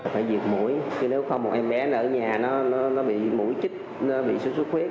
phải diệt mũi nếu không một em bé ở nhà bị mũi chích bị sốt sốt huyết